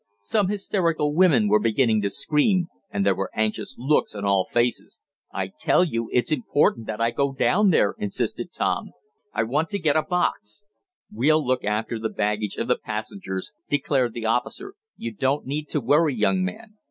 Some hysterical women were beginning to scream, and there were anxious looks on all faces. "I tell you it's important that I go down there," insisted Tom. "I want to get a box " "We'll look after the baggage of the passengers," declared the officer. "You don't need to worry, young man."